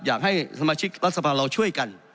อยากให้สมาชิกรัฐสภาเราช่วยกัน